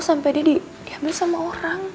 sampai dia diambil sama orang